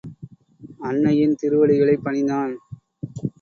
அன்னையின் திருவடிகளைப் பணிந்தான்.